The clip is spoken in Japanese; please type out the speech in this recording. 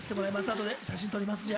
あとで写真撮ります。